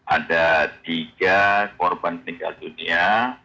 ada tiga korban meninggal dunia